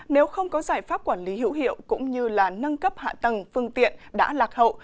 nếu giải pháp quản lý hiệu hiệu cũng như là nâng cấp hạ tầng phương tiện đã lạc hậu